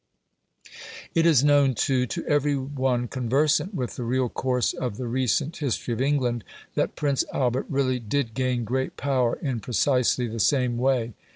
It is known, too, to every one conversant with the real course of the recent history of England, that Prince Albert really did gain great power in precisely the same way.